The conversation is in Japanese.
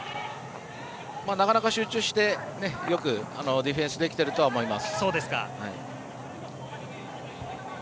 なかなか集中してよくディフェンスできているとは思います。